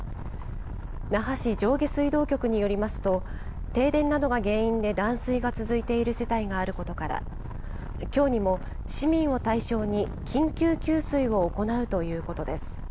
那覇市上下水道局によりますと、停電などが原因で断水が続いている世帯があることから、きょうにも市民を対象に、緊急給水を行うということです。